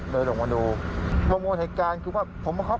เสียงมาสมมุติแล้วเรือขับไปครับ